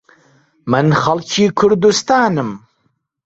من خەڵکی کوردستانم.